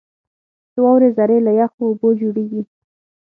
• د واورې ذرې له یخو اوبو جوړېږي.